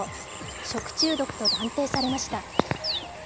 食中毒と断定されました。